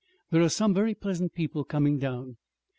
There are some very pleasant people coming down.